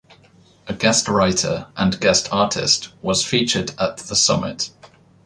A guest writer and guest artist was featured at the summit.